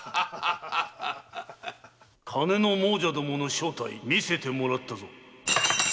・金の亡者どもの正体見せてもらったぞ。